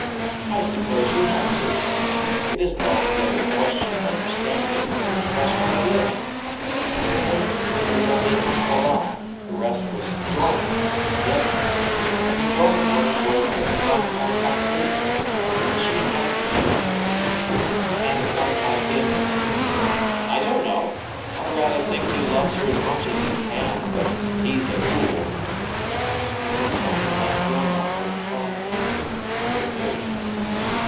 I suppose she had to. It isn't altogether a question of understanding; it's a question of living. With him, she was only half alive; the rest was dormant, deadened. And the dormant woman was the femme incomprise, and she had to be awakened." "And what about him." "I don't know. I rather think he loves her as much as he can, but he's a fool." "It was something like your mother and father," said Miriam.